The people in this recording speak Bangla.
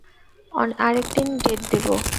আরেকদিন ডেট দেবো।